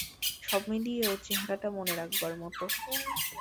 সব মিলিয়ে ওর চেহারাটা মনে রাখবার মতো।